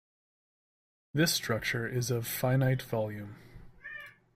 This structure is of finite volume.